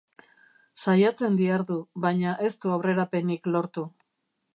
Saiatzen dihardu, baina ez du aurrerapenik lortu.